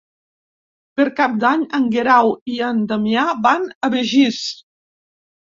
Per Cap d'Any en Guerau i en Damià van a Begís.